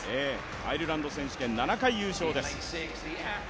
アイルランド選手権７回優勝です。